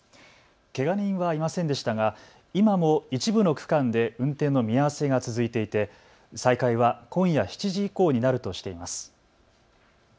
けが人はいませんでしたが今も一部の区間で運転の見合わせが続いていて再開は今夜７時以降になるとしています。